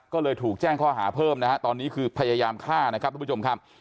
ก็เลยถูกแจ้งข้อหาเพิ่มนะฮะตอนนี้คือพยายามฆ่านะครับทุกผู้ชมครับ